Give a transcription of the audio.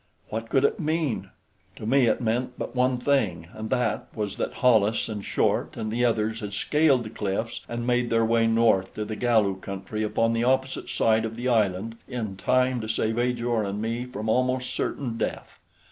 What could it mean? To me it meant but one thing, and that was that Hollis and Short and the others had scaled the cliffs and made their way north to the Galu country upon the opposite side of the island in time to save Ajor and me from almost certain death.